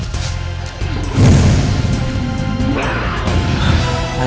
kemana sekarang anak saya